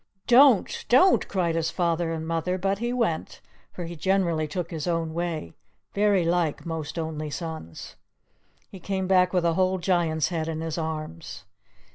"Don't, don't!" cried his father and mother; but he went; for he generally took his own way, very like most only sons. He came back with a whole Giant's head in his arms.